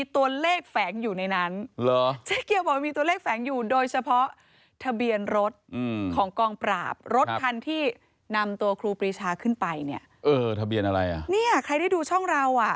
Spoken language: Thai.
ถ้าใครได้ดูช่องเรา